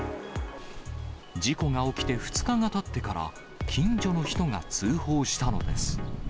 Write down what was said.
事故が起きて２日がたってから、、近所の人が通報したのです。